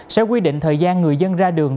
sẽ quy định thời gian người dân ra đường